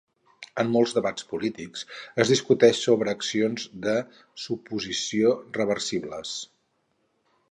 En molts debats polítics, es discuteix sobre accions de suposició reversibles.